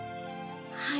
はい。